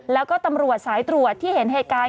แล้วก็ตำรวจสายตรวจที่เห็นเหตุการณ์